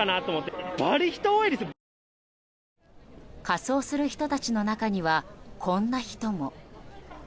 仮装する人たちの中にはこんな人も。